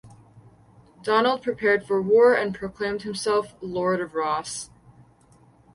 Donald prepared for war and proclaimed himself "Lord of Ross".